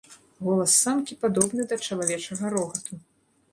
Голас самкі падобны да чалавечага рогату.